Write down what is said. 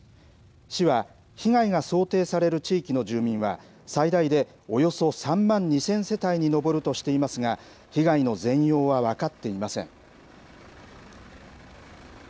市は被害が想定される地域の住民は、最大でおよそ３万２０００世帯に上るとしていますが、被害の全容は分かっていません。